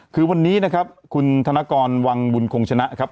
คือวันนี้นะครับคุณธนกรวังบุญคงชนะครับ